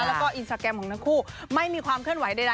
แล้วก็อินสตาแกรมของทั้งคู่ไม่มีความเคลื่อนไหวใด